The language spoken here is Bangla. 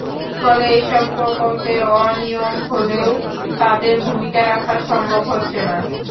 ফলে এসব প্রকল্পে অনিয়ম হলেও তাঁদের ভূমিকা রাখা সম্ভব হচ্ছে না।